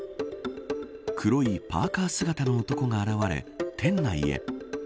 黒いパーカ姿の男が現れ店内へ。